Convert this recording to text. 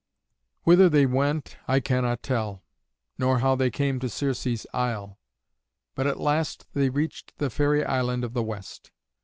Whither they went I cannot tell, nor how they came to Circe's isle, but at last they reached the fairy island of the West.